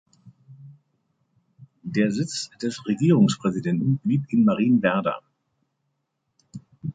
Der Sitz des Regierungspräsidenten blieb in Marienwerder.